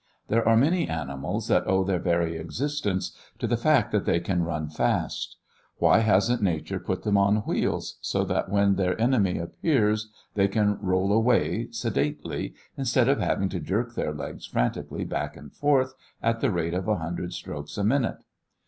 There are many animals that owe their very existence to the fact that they can run fast. Why hasn't nature put them on wheels so that when their enemy appears they can roll away, sedately, instead of having to jerk their legs frantically back and forth at the rate of a hundred strokes a minute?